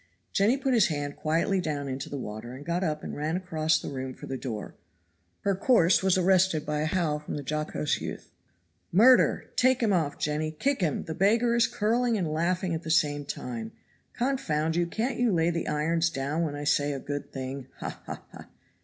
He!" Jenny put his hand quietly down into the water and got up and ran across the room for the door. Her course was arrested by a howl from the jocose youth. "Murder! Take him off, Jenny; kick him; the beggar is curling and laughing at the same time. Confound you, can't you lay the irons down when I say a good thing. Ha! Ha! Ha!"